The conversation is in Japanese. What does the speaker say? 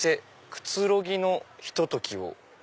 「くつろぎのひとときを」。